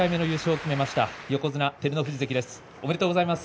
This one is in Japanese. おめでとうございます。